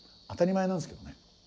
当たり前なんですけどね。